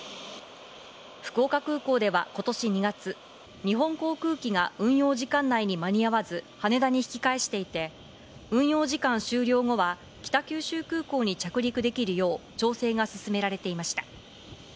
福岡空港ではことし２月、日本航空機が運用時間内に間に合わず、羽田に引き返していて、運用時間終了後は、北九州空港に着陸できるよう調整が進められていました。